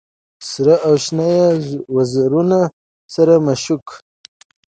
سره او شنه یې وزرونه سره مشوکه